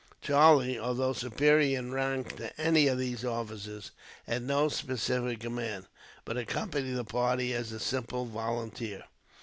Charlie, although superior in rank to any of these officers, had no specific command, but accompanied the party as a simple volunteer.